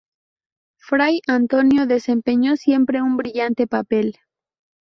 Fray Antonio desempeñó siempre un brillante papel.